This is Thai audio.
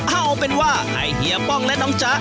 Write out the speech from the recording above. เอาเป็นว่าให้เฮียป้องและน้องจ๊ะ